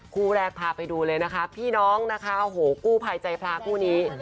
คู่แรกพาไปดูเลยนะคะพี่น้องนะคะโอ้โหกู้ภัยใจพระคู่นี้